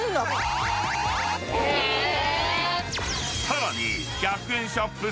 更に、１００円ショップ